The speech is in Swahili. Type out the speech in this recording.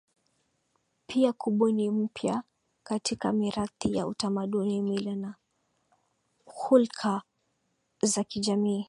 Pia kubuni mpya katika mirathi ya utamaduni mila na khulka za kijamii